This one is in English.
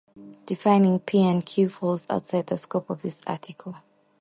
Defining P and Q falls outside the scope of this article.